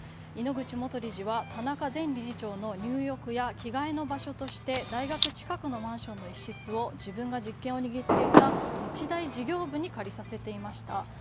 井ノ口元理事は田中前理事長の入浴や着替えの場所として大学近くのマンションの一室を自分が実権を握っていた日大事業部に借りさせていました。